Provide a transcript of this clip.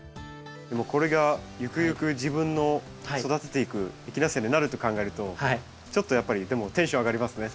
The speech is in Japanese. これがゆくゆく自分の育てていくエキナセアになると考えるとちょっとやっぱりでもテンション上がりますね。